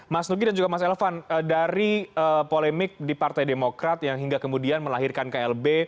mas nugi dan juga mas elvan dari polemik di partai demokrat yang hingga kemudian melahirkan klb